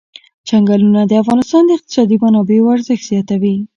چنګلونه د افغانستان د اقتصادي منابعو ارزښت زیاتوي.